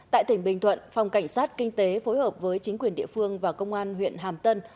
tại tỉnh bình thuận phòng cảnh sát kinh tế phối hợp với chính quyền địa phương và công an huyện hàm tân